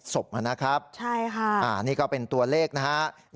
๓๗ศพครับนะครับนี่ก็เป็นตัวเลขนะฮะใช่ค่ะ